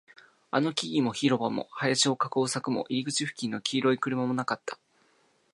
あの木々も、広場も、林を囲う柵も、入り口付近の黄色い車もなかった